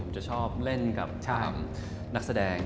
ผมจะชอบเล่นกับนักแสดง